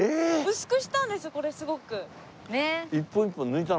薄くしたんですこれすごく。